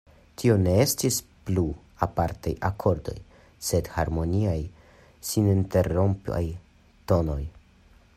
Tio ne estis plu apartaj akordoj, sed harmoniaj, seninterrompaj tonoj.